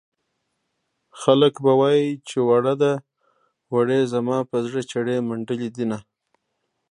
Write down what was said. خلک به وايي چې وړه ده وړې زما په زړه چړې منډلې دينه